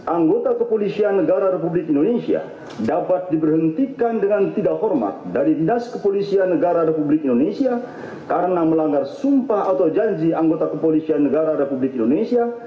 anggota kepolisian negara republik indonesia dapat diberhentikan dengan tidak hormat dari dinas kepolisian negara republik indonesia karena melanggar sumpah atau janji anggota kepolisian negara republik indonesia